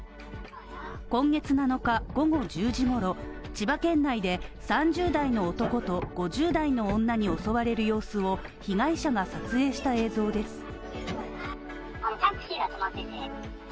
今月７日午後１０時ごろ、千葉県内で３０代の男と５０代の女に襲われる様子を被害者が撮影した映像です。